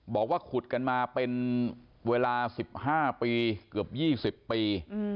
บอกว่าขุดกันมาเป็นเวลา๑๕ปีเกือบ๒๐ปี